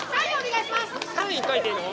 サイン書いていいの？